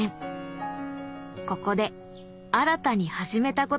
ここで新たに始めたことがあるんだ。